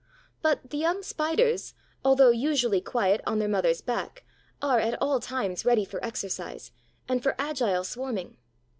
But the young Spiders, although usually quiet on their mother's back, are at all times ready for exercise and for agile swarming.